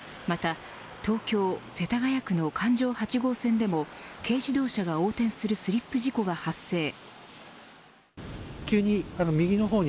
また東京、世田谷区の環状８号線でも軽自動車が横転するスリップ事故が発生。